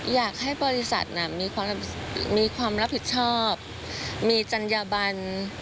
อยากให้บริษัทมีความรับผิดชอบมีจัญญบัน